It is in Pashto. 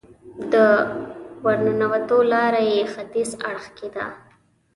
د ورننوتو لاره یې ختیځ اړخ کې ده.